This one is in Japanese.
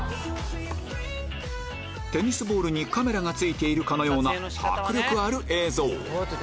テニスボールにカメラが付いているかのような迫力ある映像